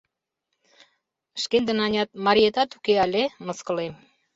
— Шкендын анят мариетат уке але, — мыскылем.